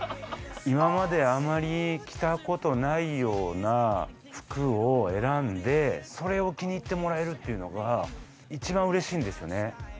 今まであまり着たことないような服を選んでそれを気に入ってもらえるのが一番うれしいんですよね。